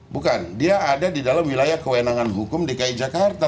bukan dia ada di dalam wilayah kewenangan hukum dki jakarta